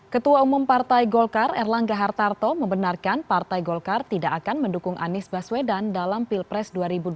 ketua umum partai golkar erlangga hartarto membenarkan partai golkar tidak akan mendukung anies baswedan dalam pilpres dua ribu dua puluh